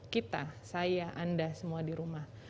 kita saya anda semua di rumah